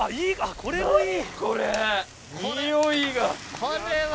これはいい。